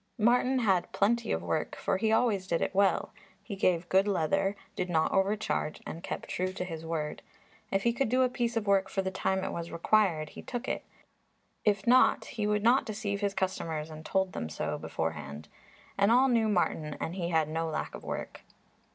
Martin had plenty of work, for he always did it well; he gave good leather, did not overcharge, and kept true to his word. If he could do a piece of work for the time it was required, he took it; if not, he would not deceive his customers and told them so beforehand. And all knew Martin and he had no lack of work.